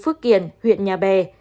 phước kiển huyện nhà bè